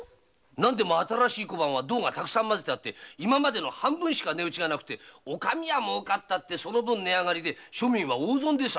何でも新しい小判は銅が多くて今までの半分しか値打ちがなくお上は儲かったって値上がりで庶民は大損でさ！